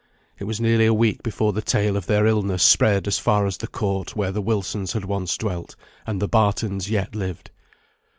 It was nearly a week before the tale of their illness spread as far as the court where the Wilsons had once dwelt, and the Bartons yet lived.